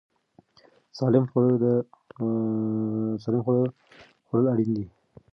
سالم خواړه خوړل اړین دي.